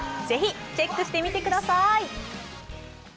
是非、チェックしてみてください！